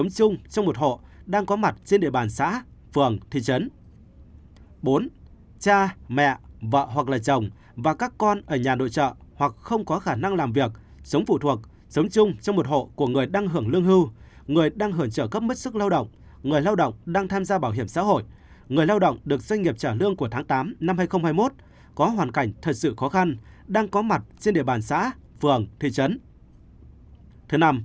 bốn cha mẹ vợ hoặc là chồng và các con ở nhà nội trợ hoặc không có khả năng làm việc sống phụ thuộc sống chung trong một hộ của người đang hưởng lương hưu người đang hưởng trợ cấp mất sức lao động người lao động đang tham gia bảo hiểm xã hội người lao động được doanh nghiệp trả lương của tháng tám năm hai nghìn hai mươi một có hoàn cảnh thật sự khó khăn đang có mặt trên địa bàn xã phường thị trấn